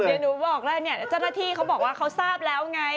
เดี๋ยวหนูบอกแล้วเนี่ยเจ้าหน้าที่เขาบอกว่าเขาทราบแล้วไง